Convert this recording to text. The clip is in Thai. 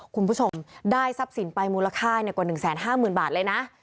คุณผู้ชมได้ทรัพย์สินไปมูลค่ายกว่าหนึ่งแสนห้าหมื่นบาทเลยนะ